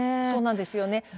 そうなんですよね。